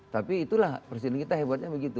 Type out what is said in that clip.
tapi itulah presiden kita hebatnya begitu